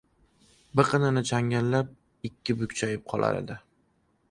Biqinini changallab ikki bukchayib qolardi.